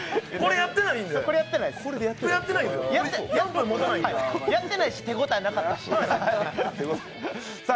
やってないし、手応えなかったし。